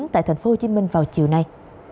tại tp hcm vào chiều nay